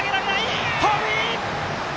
ホームイン！